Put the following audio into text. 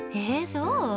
そう？